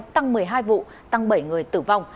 tăng một mươi hai vụ tăng bảy người tử vong